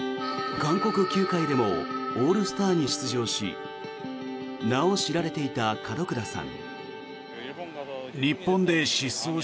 韓国球界でもオールスターに出場し名を知られていた門倉さん。